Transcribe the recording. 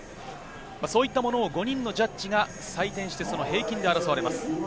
そういったものを５人のジャッジが採点して、平均で争われます。